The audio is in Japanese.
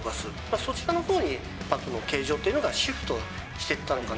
そちらのほうにバットの形状というのがシフトしていったのかな。